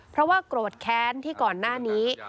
เพราะว่าโกรธแค้นที่ก่อนหน้านี้